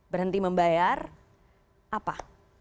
berhenti membayar apa